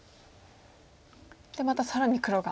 また更に黒が。